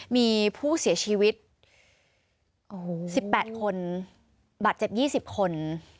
มีผู้เสียชีวิตโอ้โหสิบแปดคนบัตรเจ็บยี่สิบคน